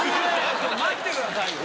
待ってくださいよ。